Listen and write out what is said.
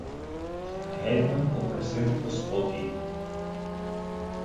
Гетьман попросив о спокій.